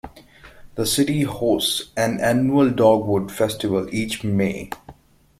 The city hosts an annual Dogwood Festival each May.